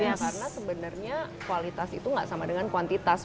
karena sebenarnya kualitas itu gak sama dengan kuantitas